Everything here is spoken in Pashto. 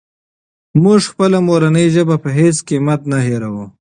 موږ خپله مورنۍ ژبه په هېڅ قیمت نه هېروو.